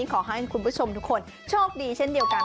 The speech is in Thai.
ขอให้คุณผู้ชมทุกคนโชคดีเช่นเดียวกัน